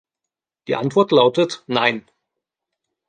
Die Antwort lautet Nein.